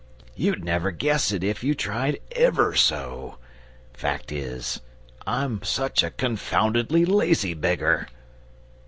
You'd never guess it if you tried ever so! fact is, I'm such a confoundedly lazy beggar!"